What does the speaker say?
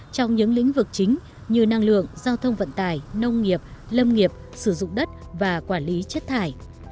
trong những lĩnh vực chính như năng lượng giao thông vận tài nông nghiệp lâm nghiệp sử dụng đất và quản lý chất thải